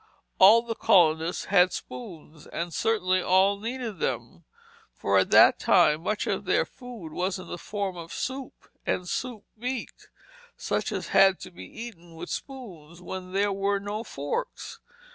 All the colonists had spoons, and certainly all needed them, for at that time much of their food was in the form of soup and "spoon meat," such as had to be eaten with spoons when there were no forks.